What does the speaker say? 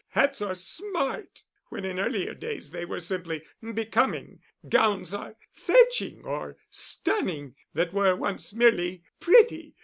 Hats are 'smart,' when in earlier days they were simply 'becoming.' Gowns are 'fetching' or 'stunning' that were once merely 'pretty.